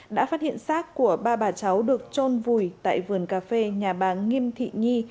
đã phát hiện xác của ba bà cháu được trôn vùi tại vườn cà phê nhà bà nghiêm thị nhi